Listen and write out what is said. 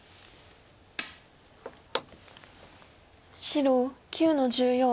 白９の十四。